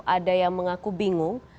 ada yang mengaku bingung